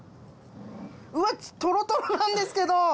うわとろとろなんですけど！